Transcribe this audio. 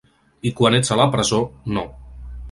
I quan ets a la presó, no.